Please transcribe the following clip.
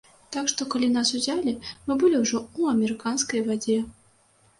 Так што, калі нас узялі, мы былі ўжо ў амерыканскай вадзе.